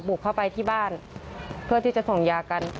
เข้าไปที่บ้านเพื่อที่จะส่งยากัน